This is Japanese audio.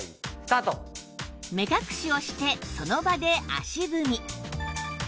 目隠しをしてその場で足踏み